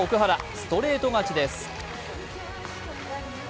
ストレート勝ちです。